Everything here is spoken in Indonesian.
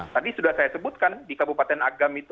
tadi sudah saya sebutkan di kabupaten agam itu